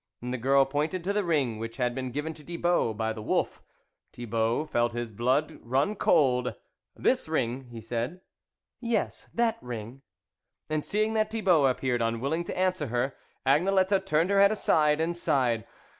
And the girl pointed to the ring which had been given to Thibault by the wolf. Thibault felt his blood run cold. " This ring ?" he said. " Yes, that ring," and seeing that Thibault appeared unwilling to answer her, Agne lette turned her head aside, and sighed.